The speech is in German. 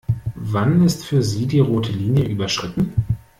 Wann ist für Sie die rote Linie überschritten?